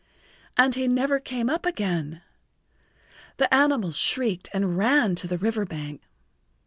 And he never came up again! The animals shrieked and ran to the river bank.